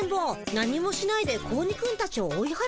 何もしないで子鬼くんたちを追いはらったよ。